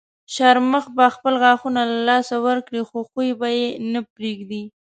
شرمښ به خپل غاښونه له لاسه ورکړي خو خوی به یې نه پرېږدي.